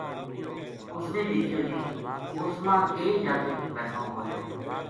اُس نے دیکھیو جی اُس ما ایک جاتک بیٹھو بو ہے